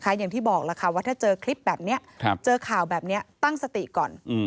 อย่างที่บอกล่ะค่ะว่าถ้าเจอคลิปแบบนี้เจอข่าวแบบนี้ตั้งสติก่อน